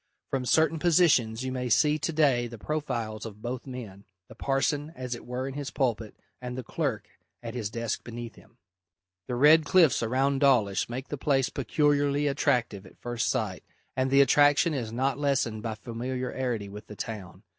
From certain positions you may see to day the profiles of both men, the parson as it were in his pulpit, and the clerk at his desk beneath him. The red cliffs around Dawlish make the place peculiarly attractive at first sight, and the attraction is not lessened by familiarity with the town.